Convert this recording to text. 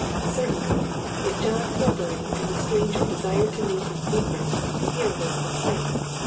Certainly, if John Horbury and the stranger desired to meet in secret, here was the place.